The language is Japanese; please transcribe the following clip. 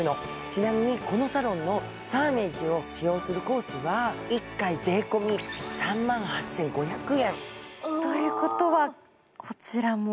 ちなみにこのサロンのサーメージを使用するコースは１回税込み３万８５００円。ということは、こちらも？